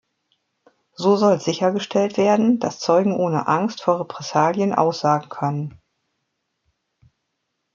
So soll sichergestellt werden, dass Zeugen ohne Angst vor Repressalien aussagen können.